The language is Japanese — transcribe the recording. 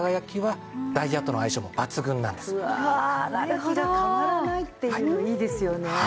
輝きが変わらないっていうのいいですよね。